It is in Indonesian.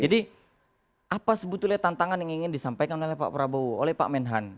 jadi apa sebetulnya tantangan yang ingin disampaikan oleh pak prabowo oleh pak menhan